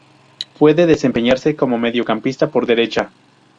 Puede desempeñarse como mediocampista por derecha.